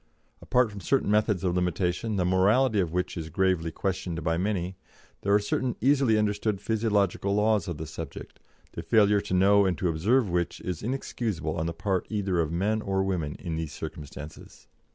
Apart from certain methods of limitation, the morality of which is gravely questioned by many, there are certain easily understood physiological laws of the subject, the failure to know and to observe which is inexcusable on the part either of men or women in these circumstances.